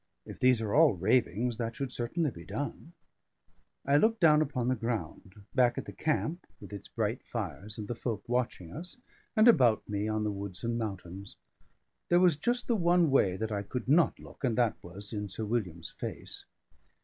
If these are all ravings, that should certainly be done." I looked down upon the ground, back at the camp, with its bright fires and the folk watching us, and about me on the woods and mountains; there was just the one way that I could not look, and that was in Sir William's face.